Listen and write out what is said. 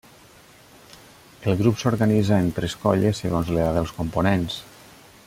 El grup s'organitza en tres colles, segons l'edat dels components.